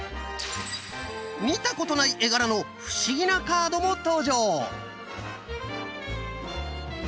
見たことない絵柄の不思議なカードも登場！